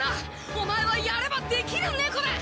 お前はやればできる猫だ！